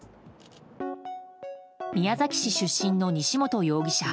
宮崎市出身の西本容疑者。